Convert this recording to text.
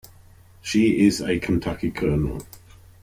She is a Kentucky Colonel.